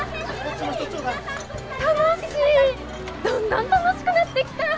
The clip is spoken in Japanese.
どんどん楽しくなってきた！